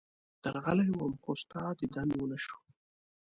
درغلی وم، خو ستا دیدن ونه شو.